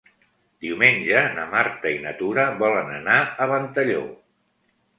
Diumenge na Marta i na Tura volen anar a Ventalló.